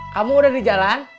kamu udah di jalan